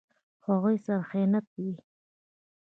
هغوی سره خیانت وي.